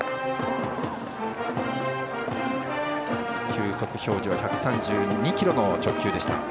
球速表示は１３２キロの直球。